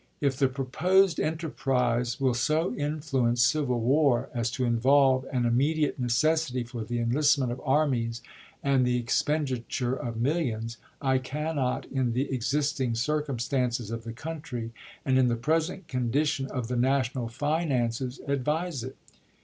If the proposed enterprise will so influence civil war as to involve an immediate necessity for the enlistment of armies and the expenditure of millions, I cannot, in the existing circumstances of the country and in the present condition of the national finances, advise chase to it."